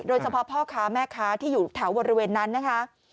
โดยเฉพาะพ่อค้าแม่ค้าที่อยู่แถวบริเวณนั้นนะคะ